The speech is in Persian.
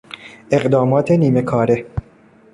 اقدامات نیمه کاره